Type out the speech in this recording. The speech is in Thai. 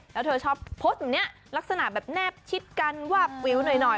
แล้วเธอชอบโพสต์แบบนี้ลักษณะแบบแนบชิดกันวาบวิวหน่อย